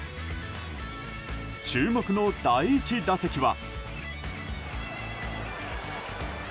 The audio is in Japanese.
注目の第１打席は。